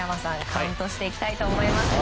カウントしてきたいと思います。